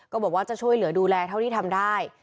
บอกว่าจะช่วยเหลือดูแลเท่าที่ทำได้